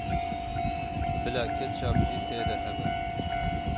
Bila ketçap jî tê de hebe.